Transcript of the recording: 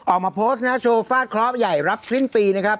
ออกมาโพสต์นะโชว์ฟาดเคราะห์ใหญ่รับสิ้นปีนะครับ